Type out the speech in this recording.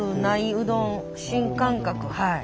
うどん新感覚はい。